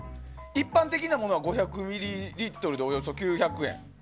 一般的なものは５００ミリリットルでおよそ９００円。